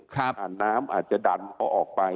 ผ่านน้ำอาจจะดันก็ออกไป